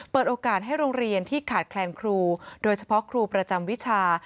เปิดโอกาสให้โรงเรียนที่ขาดแคลนครูโดยเฉพาะครูประจำวิชา